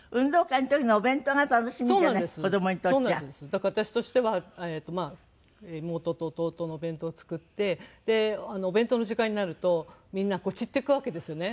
だから私としては妹と弟のお弁当を作ってお弁当の時間になるとみんな散っていくわけですよね